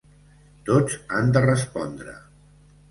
Tots han de respondre.